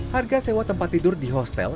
harga sewa tempat tidur di hotel